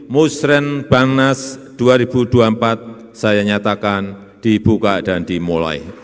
musren bangnas dua ribu dua puluh empat saya nyatakan dibuka dan dimulai